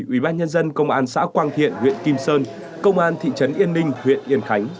ủy ban nhân dân công an xã quang thiện huyện kim sơn công an thị trấn yên ninh huyện yên khánh